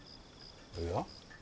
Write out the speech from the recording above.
いや。